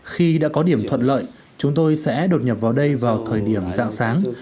khi đã có điểm thuận lợi chúng tôi sẽ đột nhập vào đây vào thời điểm dạng sáng